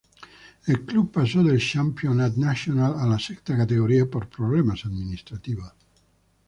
El club pasó del Championnat National a la sexta categoría por problemas administrativos.